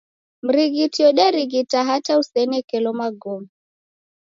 Mrighiti woderighita hata usenekelo magome.